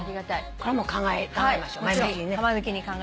これはもう考えましょう前向きにね。